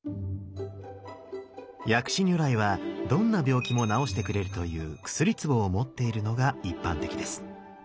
薬師如来はどんな病気も治してくれるという薬壺を持っているのが一般的です。